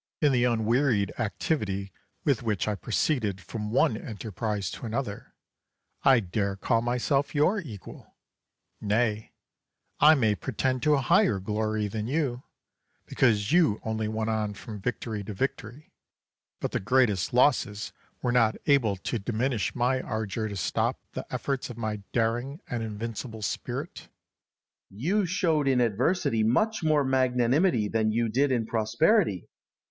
Charles. In the unwearied activity with which I proceeded from one enterprise to another, I dare call myself your equal. Nay, I may pretend to a higher glory than you, because you only went on from victory to victory; but the greatest losses were not able to diminish my ardour or stop the efforts of my daring and invincible spirit. Alexander. You showed in adversity much more magnanimity than you did in prosperity.